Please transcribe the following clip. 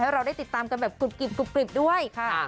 เราได้ติดตามกันแบบกรุบกริบด้วยค่ะ